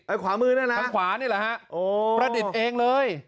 ไอ้ขวามือเนี่ยแหละขวานี่แหละฮะโอ้ประดิษฐ์เองเลย